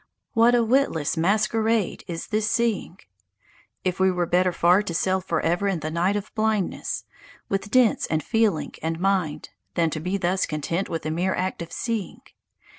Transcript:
What a witless masquerade is this seeing! It were better far to sail forever in the night of blindness, with sense and feeling and mind, than to be thus content with the mere act of seeing.